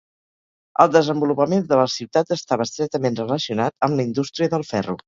El desenvolupament de la ciutat estava estretament relacionat amb la indústria del ferro.